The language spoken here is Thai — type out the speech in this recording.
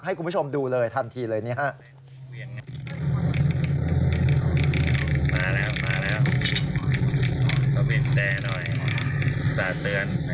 ให้คุณผู้ชมดูเลยทันทีเลยนี่ฮะ